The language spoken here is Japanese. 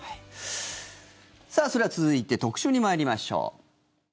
さあ、それでは続いて特集に参りましょう。